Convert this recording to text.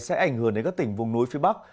sẽ ảnh hưởng đến các tỉnh vùng núi phía bắc